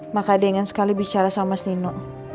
maka dia ingin sekali bicara sama mas nino